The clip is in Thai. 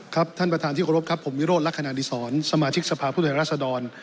ครับท่านประธานที่เคารพครับผมมิโรธลักษณะดิสรสมาชิกสภาพฤทธิรัสดร